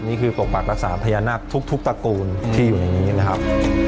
นี่คือปกปักรักษาพญานาคทุกตระกูลที่อยู่ในนี้นะครับ